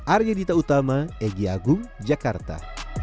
arya dita utama egy agung jakarta